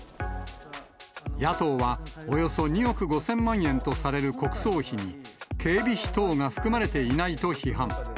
野党は、およそ２億５０００万円とされる国葬費に、警備費等が含まれていないと批判。